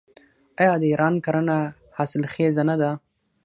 آیا د ایران کرنه حاصلخیزه نه ده؟